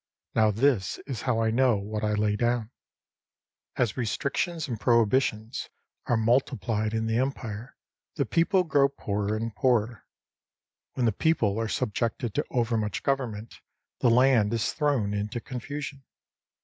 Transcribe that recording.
Now this is how I know what I lay down :— As restrictions and prohibitions are multiplied in the Empire, the people grow poorer and poorer. When the people are subjected to overmuch government, the land is thrown into confusion.